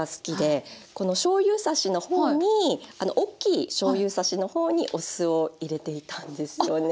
このしょうゆ差しの方に大きいしょうゆ差しの方にお酢を入れていたんですよね。